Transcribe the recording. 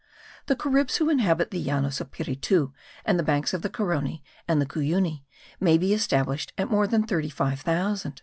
The Caribs who inhabit the Llanos of Piritu and the banks of the Carony and the Cuyuni may be estimated at more than thirty five thousand.